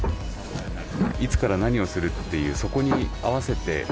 いつから何をするっていうそこに合わせて。